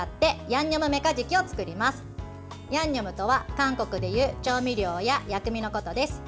ヤンニョムとは韓国でいう調味料や薬味のことです。